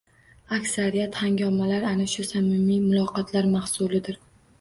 Aksariyat hangomalar ana shu samimiy muloqotlar mahsulidir